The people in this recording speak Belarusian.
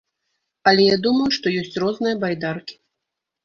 Але я думаю, што ёсць розныя байдаркі.